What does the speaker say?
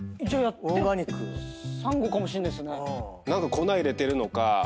何か粉入れてるのか。